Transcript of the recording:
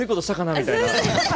みたいな。